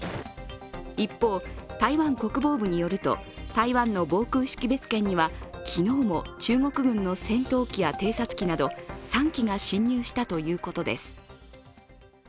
一方、台湾国防部によると台湾の防空識別圏には昨日も中国軍の戦闘機や偵察機など３機が侵入したということです。